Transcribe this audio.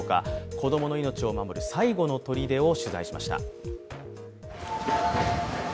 子どもの命を守る最後のとりでを取材しました。